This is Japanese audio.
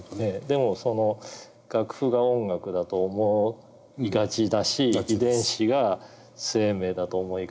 でもその楽譜が音楽だと思いがちだし遺伝子が生命だと思いがちだっていう。